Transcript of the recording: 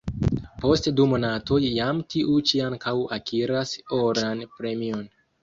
Post du monatoj jam tiu ĉi ankaŭ akiras oran premion.